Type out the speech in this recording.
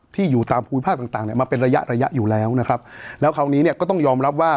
อยู่ตามภูมิภาคต่างต่างเนี่ยมาเป็นระยะระยะอยู่แล้วนะครับแล้วคราวนี้เนี่ยก็ต้องยอมรับว่า